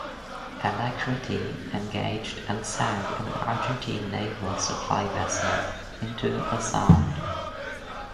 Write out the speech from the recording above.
"Alacrity" engaged and sank an Argentine naval supply vessel in the Sound.